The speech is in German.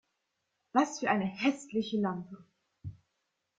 Was für eine hässliche Lampe!